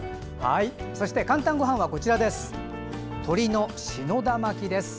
「かんたんごはん」は鶏の信田巻きです。